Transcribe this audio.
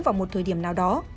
vào một thời điểm nào đó